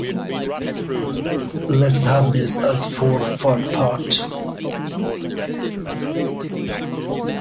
Let's have this as food for thought.